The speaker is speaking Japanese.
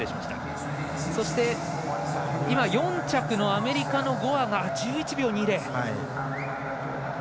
そして、４着のアメリカのゴアが１１秒２０。